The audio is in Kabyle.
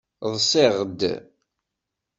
Ḍṣiɣ-d.